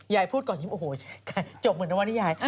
ยายพูดก่อนยิ้มโอ้โฮจบเหมือนวันนี้ยาย